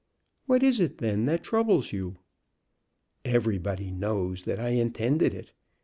"What is it, then, that troubles you?" "Everybody knows that I intended it.